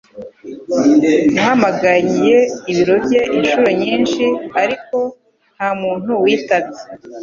Nahamagaye ibiro bye inshuro nyinshi ariko nta muntu witabye